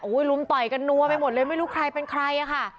ลุมต่อยกันนัวไปหมดเลยไม่รู้ใครเป็นใครอ่ะค่ะ